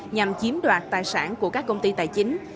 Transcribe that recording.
nhằm chiếm đoạt tài sản của các công ty tài chính